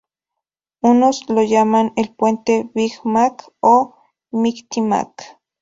Unos lo llaman el Puente "Big Mac" o "Mighty Mac".